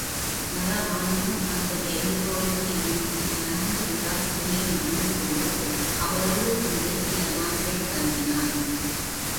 நரவாணனும் அந்த வேண்டுகோளுக்கு இணங்கி அநங்க விலாசினியை மணந்து கொண்டு அவளோடு அங்கே சில நாள்கள் தங்கினான்.